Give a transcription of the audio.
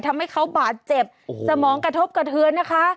ทำให้เขาบาดเจ็บสมองกระทบกระเทือนนะคะ